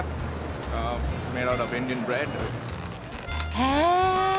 へえ！